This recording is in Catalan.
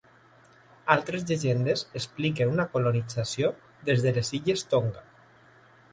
Altres llegendes expliquen una colonització des de les illes Tonga.